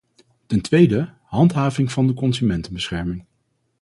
Ten tweede: handhaving van de consumentenbescherming.